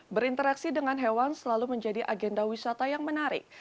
berinteraksi dengan hewan selalu menjadi agenda wisata yang menarik